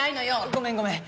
ごめんごめん。